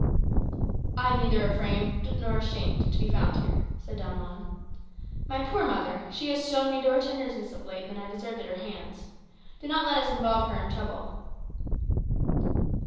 "I am neither afraid nor ashamed to be found here," said Don Juan. "My poor mother! She has shown me more tenderness of late than I deserved at her hands. Do not let us involve her in trouble."